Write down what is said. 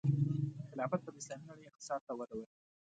خلافت به د اسلامي نړۍ اقتصاد ته وده ورکړي.